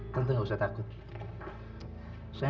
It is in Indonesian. karena selalu aku berharap